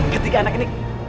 ketiga anak ini